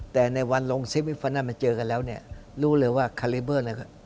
แต่ในวันลงเซฟมิฟะนัดมันเจอกันแล้วเนี่ยรู้เลยว่าคาลิเบอร์